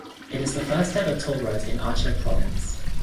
It is the first ever toll road in Aceh province.